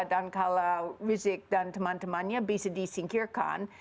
dan kalau rizik dan teman temannya bisa disingkirkan